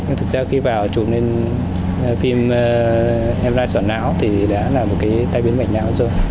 nhưng thực ra khi vào chụp lên phim em ra sỏ não thì đã là một cái tai biến mệt nhão rồi